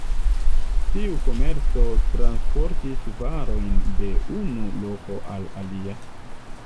Tiu komerco transportis varojn de unu loko al alia.